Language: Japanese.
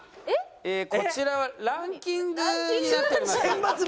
こちらはランキングになっております。